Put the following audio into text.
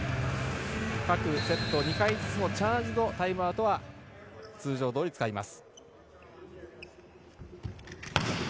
各セット２回ずつのチャージのタイムアウトは通常どおり使います。